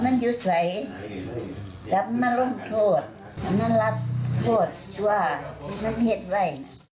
มันทำเหตุไว้